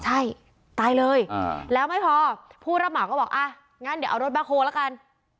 ใช่ตายเลยแล้วไม่พอผู้รับเหมาก็บอกอ่ะงั้นเดี๋ยวเอารถแบ็คโฮลละกัน